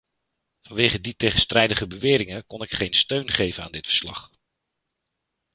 Vanwege die tegenstrijdige beweringen kon ik geen steun geven aan dit verslag.